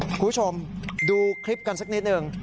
คุณผู้ชมดูคลิปกันสักนิดหนึ่ง